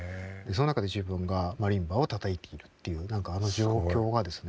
その中で自分がマリンバをたたいているっていう何かあの状況がですね